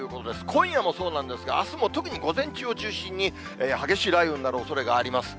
今夜もそうなんですが、あすも特に午前中を中心に、激しい雷雨になるおそれがあります。